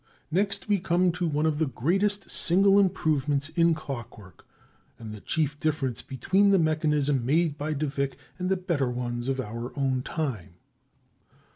Next we come to one of the greatest single improvements in clock work, and the chief difference between the mechanism made by de Vick and the better ones of our own time.